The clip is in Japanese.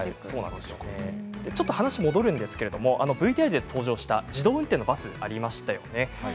話は戻りますがＶＴＲで登場した自動運転のバスがありましたよね。